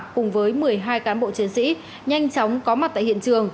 cùng với một mươi hai cán bộ chiến sĩ nhanh chóng có mặt tại hiện trường